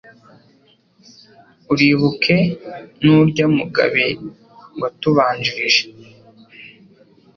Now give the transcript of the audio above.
Uribuke n'urya Mugabe watubanjirije